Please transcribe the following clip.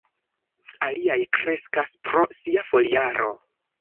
Aliaj kreskas pro sia foliaro.